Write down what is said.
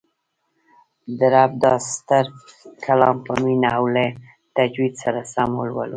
د رب دا ستر کلام په مینه او له تجوید سره سم ولولو